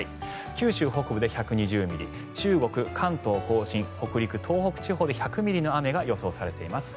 九州北部で１２０ミリ中国、関東・甲信北陸、東北地方で１００ミリの雨が予想されています。